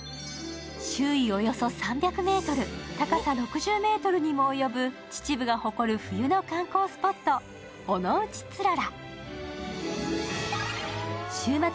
周囲およそ３００ｍ、高さ６０ｍにも及ぶ秩父が誇る冬の観光スポット・尾ノ内氷柱。